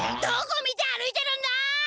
どこ見て歩いてるんだ！